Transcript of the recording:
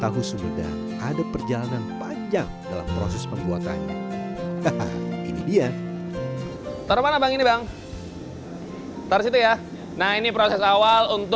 tahu semedang ada perjalanan panjang dalam proses pembuatannya